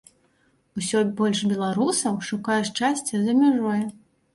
Усё больш беларусаў шукае шчасця за мяжой.